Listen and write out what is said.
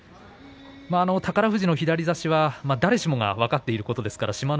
宝富士の左差しは誰でも分かっていますから志摩ノ